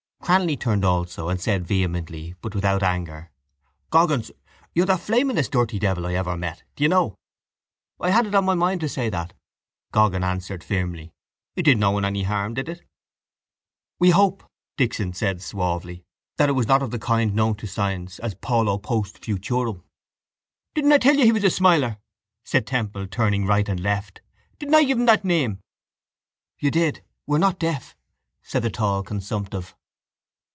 Cranly turned also and said vehemently but without anger: —Goggins, you're the flamingest dirty devil I ever met, do you know. —I had it on my mind to say that, Goggins answered firmly. It did no one any harm, did it? —We hope, Dixon said suavely, that it was not of the kind known to science as a paulo post futurum. —Didn't I tell you he was a smiler? said Temple, turning right and left. Didn't I give him that name? —You did. We're not deaf, said the tall consumptive.